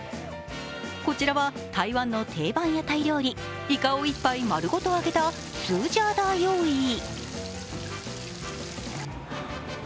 こちらは台湾の定番屋台料理、いかを１杯丸ごと揚げたスゥヂァアダーヨウイー。